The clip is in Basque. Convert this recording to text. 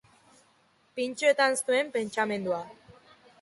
Pintxoetan zuen pentsamendua.